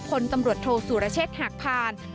พลตำรวจโทษสุรเชษฐ์หักพาน